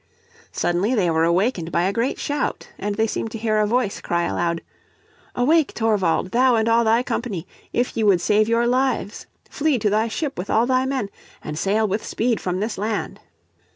Suddenly they were awakened by a great shout, and they seemed to hear a voice cry aloud, "Awake, Thorvald, thou and all thy company, if ye would save your lives. Flee to thy ship with all thy men, and sail with speed from this land."